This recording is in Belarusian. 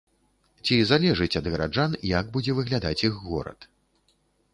Ці залежыць ад гараджан, як будзе выглядаць іх горад?